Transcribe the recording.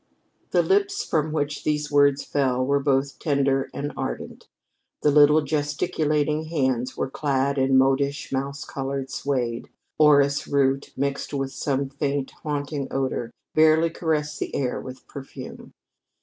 The lips from which these words fell were both tender and ardent; the little gesticulating hands were clad in modish, mouse colored suede; orris root mixed with some faint, haunting odor, barely caressed the air with perfume.